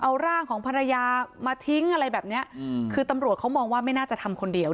เอาร่างของภรรยามาทิ้งอะไรแบบเนี้ยอืมคือตำรวจเขามองว่าไม่น่าจะทำคนเดียว